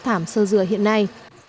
thảm sơ dừa hiện nay